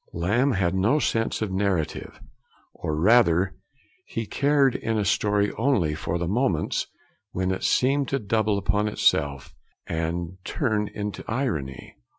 Lamb had no sense of narrative, or, rather, he cared in a story only for the moments when it seemed to double upon itself and turn into irony.